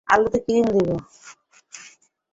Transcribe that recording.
আলুতে ক্রিম দিয়ে।